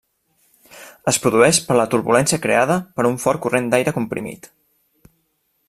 Es produeix per la turbulència creada per un fort corrent d'aire comprimit.